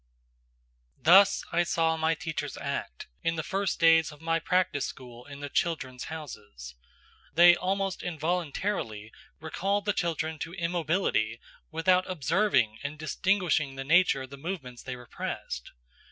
Thus I saw my teachers act in the first days of my practice school in the "Children's Houses." They almost involuntarily recalled the children to immobility without observing and distinguishing the nature of the movements they repressed.